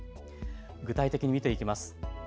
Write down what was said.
具体的に見ていきます。